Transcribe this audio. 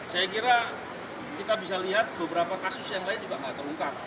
saya kira kita bisa lihat beberapa kasus yang lain juga tidak terungkap